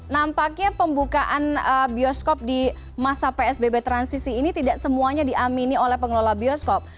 nampaknya pembukaan bioskop di masa psbb transisi ini tidak semuanya diamini oleh pengelola bioskop